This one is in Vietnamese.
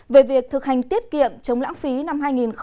về việc thực hành tiết kiệm chống lãng phí năm hai nghìn một mươi tám